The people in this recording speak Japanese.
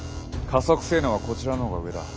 加速性能はこちらのほうが上だ。